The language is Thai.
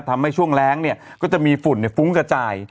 ทำให้ช่วงแรงเนี่ยก็จะมีฝุ่นฟุ้งกระจาย